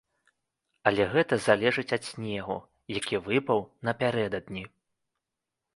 Але гэта залежыць ад снегу, які выпаў напярэдадні.